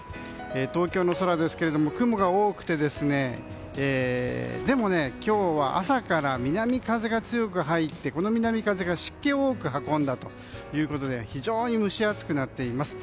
東京の空ですけども雲が多くてでも、今日は朝から南風が強く入ってこの南風が湿気を多く運んだということで非常に蒸し暑くなっています。